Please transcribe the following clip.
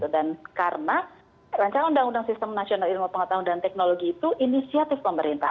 dan karena rancangan undang undang sistem nasional ilmu pengetahuan dan teknologi itu inisiatif pemerintah